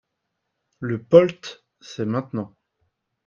Le POLT, c’est maintenant